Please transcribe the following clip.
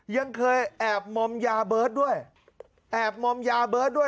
ยังเคยแอบมอมยาเบิร์ตด้วยแอบมอมยาเบิร์ตด้วย